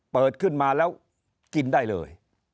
เปิดขึ้นมาแล้วกินได้เลย